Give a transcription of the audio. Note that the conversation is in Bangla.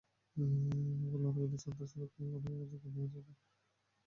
ফলে অনাগত সন্তানের সুরক্ষায় কোনোভাবেই ঝুঁকি নেওয়া যাবে না।